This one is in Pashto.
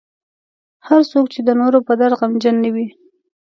هر هغه څوک چې د نورو په درد غمجن نه وي.